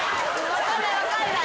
分かんない分かんない。